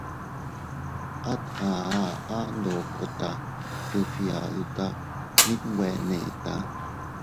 At a aʼa ndokota se fgiaduta, mit nwe neʼta.